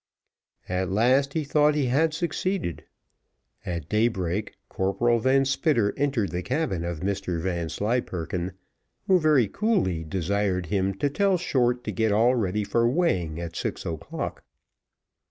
At last he thought he had succeeded. At daybreak, Corporal Van Spitter entered the cabin of Mr Vanslyperken, who very coolly desired him to tell Short to get all ready for weighing at six o'clock.